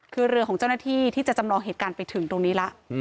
คือเรือของเจ้าหน้าที่ที่จะจำลองเหตุการณ์ไปถึงตรงนี้แล้ว